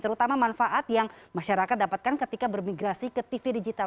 terutama manfaat yang masyarakat dapatkan ketika bermigrasi ke tv digital